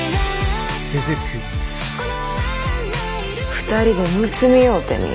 ２人でむつみ合うてみよ。